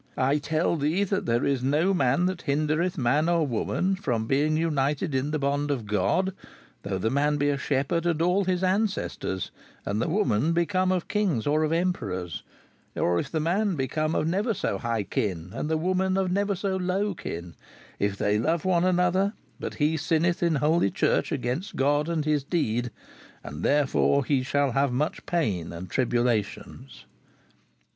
"I tell thee there is no man that hindereth man or woman from being united in the bond of God, though the man be a shepherd and all his ancestors and the woman be come of kings or of emperors, or if the man be come of never so high kin and the woman of never so low kin, if they love one another, but he sinneth in Holy Church against God and his deed, and therefore he shall have much pain and tribulations."